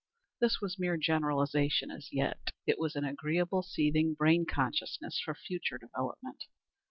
This was mere generalization as yet. It was an agreeable seething brain consciousness for future development.